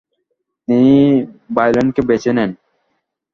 তিনি ভায়োলান্টকেই বেছে নেন।